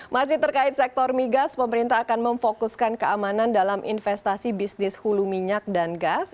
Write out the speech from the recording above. masih terkait sektor migas pemerintah akan memfokuskan keamanan dalam investasi bisnis hulu minyak dan gas